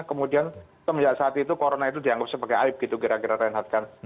kemudian semenjak saat itu corona itu dianggap sebagai aib gitu kira kira reinhardt kan